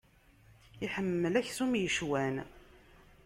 Iḥemmel aksum yecwan.